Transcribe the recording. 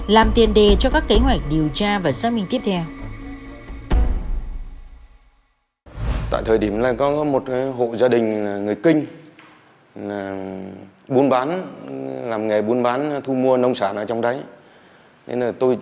và đánh giá khách quan toàn diện vụ việc làm tiền đề cho các kế hoạch tập trung trên các thông tin nhất